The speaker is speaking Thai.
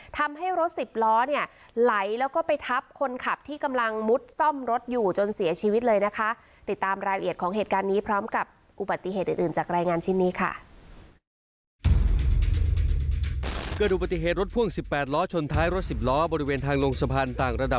ทำให้รถสิบล้อเนี่ยไหลแล้วก็ไปทับคนขับที่กำลังมุดซ่อมรถอยู่จนเสียชีวิตเลยนะคะ